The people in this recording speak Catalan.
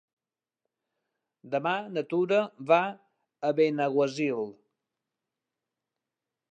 Demà na Tura va a Benaguasil.